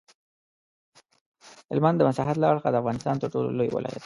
هلمند د مساحت له اړخه د افغانستان تر ټولو لوی ولایت دی.